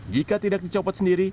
jika tidak dicopot sendiri